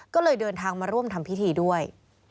ก็เลยเดินทางมาร่วมทำพิธีด้วย